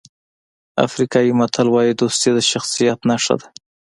افریقایي متل وایي دوستي د شخصیت نښه ده.